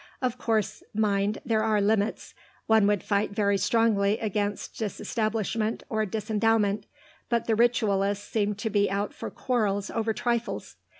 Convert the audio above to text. Of course, mind, there are limits; one would fight very strongly against disestablishment or disendowment; but the ritualists seem to be out for quarrels over trifles."